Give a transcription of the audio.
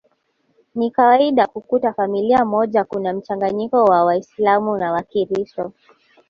Ni kawaida kukuta familia moja kuna mchanganyiko wa waislamu na wakiristo